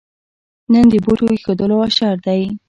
نن د بوټو اېښودلو اشر دی.